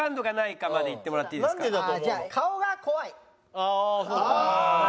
「顔が怖い」？